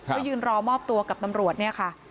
ก็ยืนรอมอบตัวกับตำรวจเนี่ยค่ะ